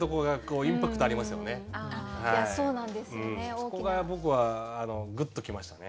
そこが僕はグッと来ましたね。